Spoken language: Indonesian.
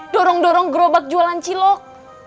dorong dorong gerobak jualan cilok